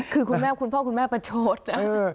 คือคุณพ่อคุณแม่ประโยชน์นะ